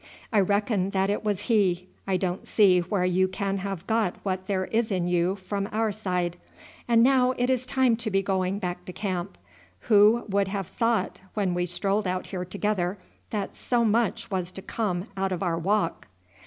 I reckon that it was he I don't see where you can have got what there is in you from our side. And now it is time to be going back to camp. Who would have thought, when we strolled out together, that so much was to come out of our walk?"